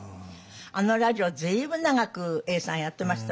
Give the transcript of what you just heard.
あのラジオ随分長く永さんやってました